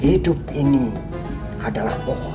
hidup ini adalah pohon